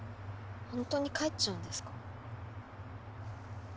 ほんとに帰っちゃうんですか？